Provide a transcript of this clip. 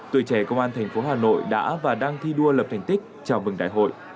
tuổi trẻ công an thành phố hà nội đã và đang thi đua lập thành tích chào mừng đại hội